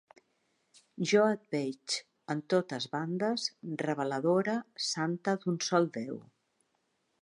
Jo et veig en totes bandes, reveladora santa d'un sol déu.